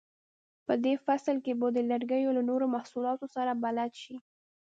په دې فصل کې به د لرګیو له نورو محصولاتو سره بلد شئ.